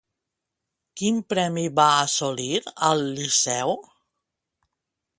Quin premi va assolir al Liceu?